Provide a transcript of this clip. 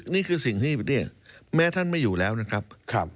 นี่คือสิ่งที่แม้ท่านไม่อยู่แล้วนะครับ